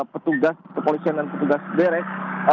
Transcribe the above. petugas kepolisian dan petugas derek